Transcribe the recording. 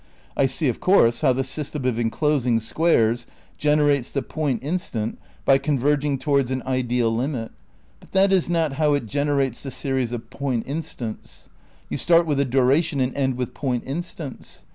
I see, of course, how the system of enclosing squares generates the point instant by converging to wards an ideal limit, but not how it generates the series of point instants. You start with a duration and end with point instants.